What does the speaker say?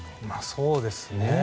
そうですね。